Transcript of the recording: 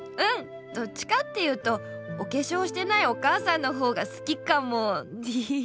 どっちかっていうとおけしょうしてないお母さんのほうがすきかもでへへへ。